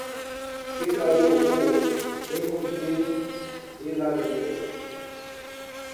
Declarou-o em comprimento e largura